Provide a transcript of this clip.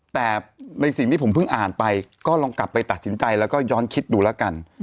แต่ในสิ่งที่ผมเพิ่งอ่านไปก็ลองกลับไปตัดสินใจแล้วก็ย้อนคิดดูแล้วกัน